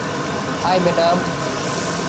High, madam.